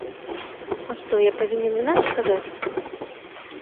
А што, я павінен інакш казаць?!